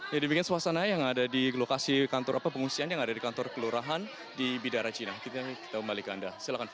jadi bikin suasana yang ada di lokasi kantor pengungsian yang ada di kantor kelurahan di bidara cina kita kembali ke anda silahkan